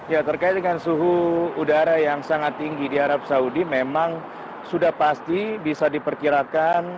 ya terkait dengan suhu udara yang sangat tinggi di arab saudi memang sudah pasti bisa diperkirakan